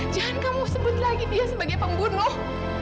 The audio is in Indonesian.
jangan kamu sebut lagi dia sebagai pembunuh